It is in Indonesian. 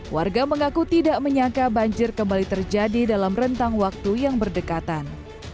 warga mengaku tidak menyangka banjir kembali terjadi dalam rentang waktu yang berdekatan